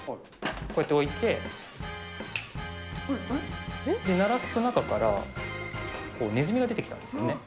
こうやって置いて、鳴らすと、中からネズミが出てきたんですよね。